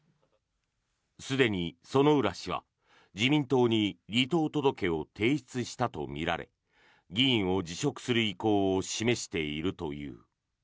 すでに薗浦氏は自民党に離党届を提出したとみられ議員を辞職する意向を示しているという。